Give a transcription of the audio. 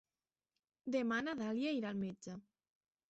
Demà na Dàlia irà al metge.